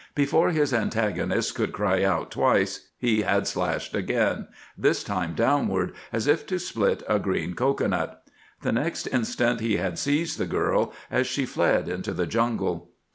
Before his antagonist could cry out twice he had slashed again, this time downward as if to split a green cocoanut. The next instant he had seized the girl as she fled into the jungle.